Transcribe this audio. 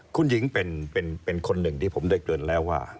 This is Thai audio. คุณหญิงเป็นคนหนึ่งที่ผมได้เกินแล้วว่า